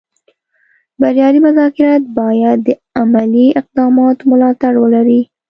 بریالي مذاکرات باید د عملي اقداماتو ملاتړ ولري